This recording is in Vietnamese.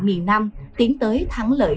miền nam tiến tới thắng lợi